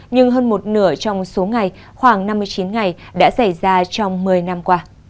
nhưng hơn một nửa trong số ngày khoảng năm mươi chín ngày đã xảy ra trong một mươi năm qua